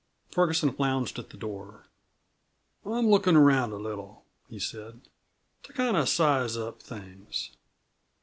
Ferguson lounged to the door. "I'm lookin' around a little," he said, "to kind of size up things.